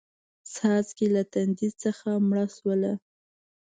څاڅکې له تندې څخه مړه شوله